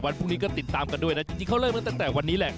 พรุ่งนี้ก็ติดตามกันด้วยนะจริงเขาเริ่มมาตั้งแต่วันนี้แหละ